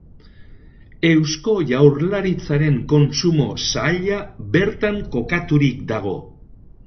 Eusko Jaurlaritzaren kontsumo saila bertan kokaturik dago.